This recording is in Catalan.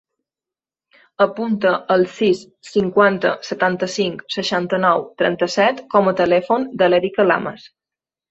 Apunta el sis, cinquanta, setanta-cinc, seixanta-nou, trenta-set com a telèfon de l'Erika Lamas.